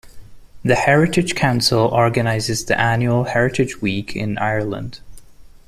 The Heritage Council organizes the annual Heritage Week in Ireland.